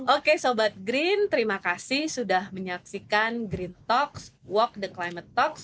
oke sobat green terima kasih sudah menyaksikan green talks walk the climate talks